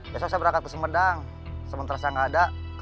besok saya berangkat ke semedang sementara itu saya akan pergi ke jawa tenggara